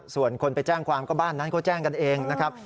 ส่วนคนไปแจ้งความก็บ้านนั้นเขาแจ้งกันเองนะครับ